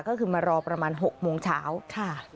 ก็คือมารอประมาณ๖โมงเช้าค่ะ